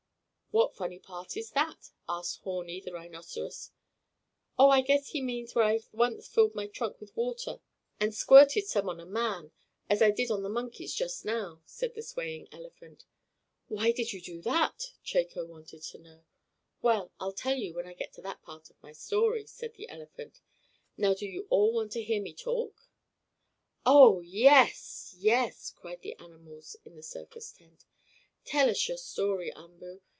"What funny part is that?" asked Horni, the rhinoceros. "Oh, I guess he means where I once filled my trunk with water and squirted some on a man, as I did on the monkeys just now," said the swaying elephant. "Why did you do that?" Chako wanted to know. "Well, I'll tell you when I get to that part of my story," said the elephant. "Now do you all want to hear me talk?" "Oh, yes! yes!" cried the animals in the circus tent. "Tell us your story, Umboo!